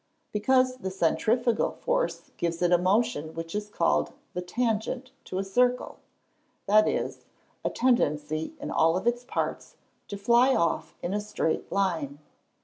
_ Because the centrifugal force gives it a motion which is called the tangent to a circle that is, a tendency in all its parts to fly off in a straight line.